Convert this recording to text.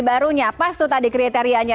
barunya pas tuh tadi kriteriannya